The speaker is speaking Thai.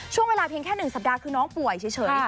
ช่วงเวลาเพียงแค่๑สัปดาห์คือน้องป่วยเฉย